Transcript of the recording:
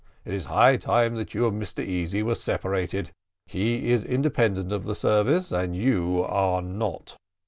It is high time that you and Mr Easy were separated. He is independent of the service, and you are not.